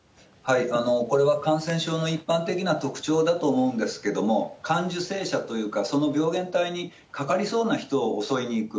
これは感染症の一般的な特徴だと思うんですけれども、感受性者というか、その病原体にかかりそうな人を襲いに行く。